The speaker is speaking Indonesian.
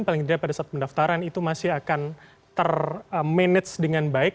paling tidak pada saat pendaftaran itu masih akan ter manage dengan baik